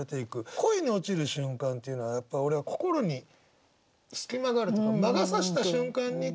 恋に落ちる瞬間っていうのはやっぱ俺は心に隙間があるというか魔が差した瞬間に恋に落ちると思ってて。